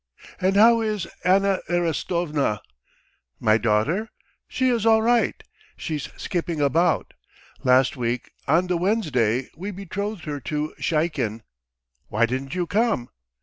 And how is Anna Erastovna?" "My daughter? She is all right, she's skipping about. Last week on the Wednesday we betrothed her to Sheikin. Why didn't you come?"